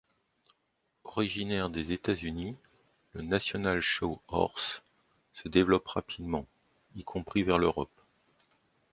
Originaire des États-Unis, le National Show Horse se développe rapidement, y compris vers l'Europe.